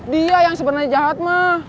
dia yang sebenarnya jahat mah